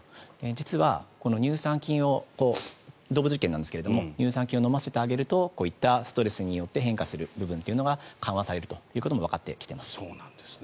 実は、乳酸菌を動物実験なんですけども乳酸菌を飲ませてあげるとストレスによって変化する部分が緩和されるということもわかってきています。